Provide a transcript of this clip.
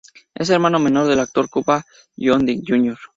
Es hermano menor del actor Cuba Gooding, Jr.